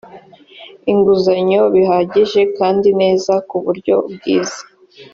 inguzanyo bihagije kandi neza ku buryo bwiza